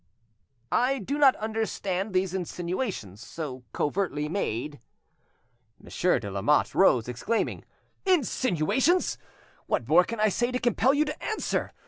"I do not understand these insinuations so covertly made." Monsieur de Lamotte rose, exclaiming— "Insinuations! What more can I say to compel you to answer?